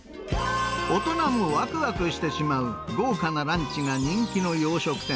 大人もわくわくしてしまう豪華なランチが人気の洋食店。